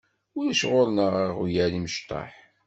Ulac ɣur-neɣ iɣyal imecṭaḥ.